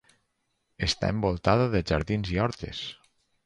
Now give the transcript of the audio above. Està envoltada de jardins i hortes.